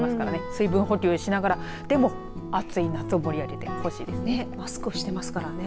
水分補給しながらでも、暑い夏を盛り上げてほしいですね。